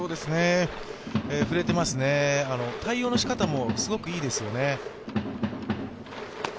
振れてますね、対応のしかたもすごくいいですよね。